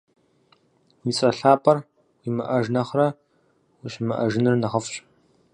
Уи цIэ лъапIэр уимыIэж нэхърэ ущымыIэжыныр нэхъыфIщ.